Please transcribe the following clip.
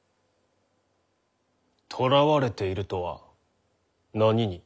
とらわれているとは何に？